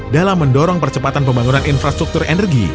dalam mendorong percepatan pembangunan infrastruktur energi